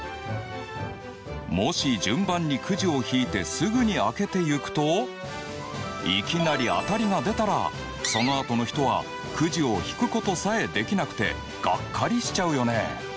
もし順番にくじをひいてすぐに開けていくといきなり当たりが出たらそのあとの人はくじをひくことさえできなくてガッカリしちゃうよね。